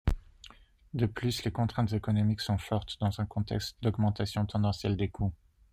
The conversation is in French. De plus, les contraintes économiques sont fortes dans un contexte d'augmentation tendancielle des coûts.